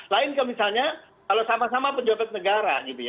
lain ke misalnya kalau sama sama pejabat negara